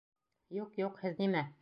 — Юҡ, юҡ, һеҙ нимә?